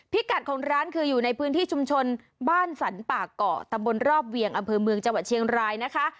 กัดของร้านคืออยู่ในพื้นที่ชุมชนบ้านสรรป่าเกาะตำบลรอบเวียงอำเภอเมืองจังหวัดเชียงรายนะคะ